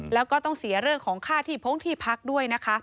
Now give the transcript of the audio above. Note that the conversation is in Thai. แล้วก็ต้องเสียเรื่องของค่าที่พงที่พักด้วยนะคะ